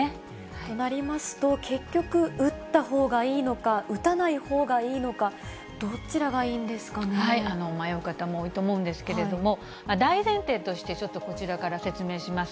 となりますと、結局、打ったほうがいいのか、打たないほうがいいのか、どちらがいいんですか迷う方も多いと思うんですけれども、大前提として、ちょっとこちらから説明します。